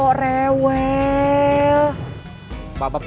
udah kembali ke rumah